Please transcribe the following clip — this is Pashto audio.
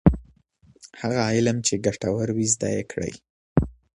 هغه علم چي ګټور وي زده یې کړه.